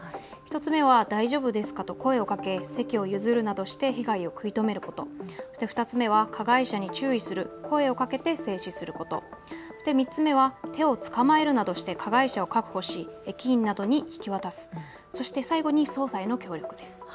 １つ目は大丈夫ですかと声をかけ席を譲るなどして被害を食い止めること、２つ目は加害者に注意する、声をかけて制止すること、３つ目は、手を捕まえるなどして加害者を確保し駅員などに引き渡す、そして最後に捜査への協力です。